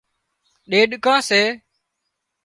ڏيڏڪان سي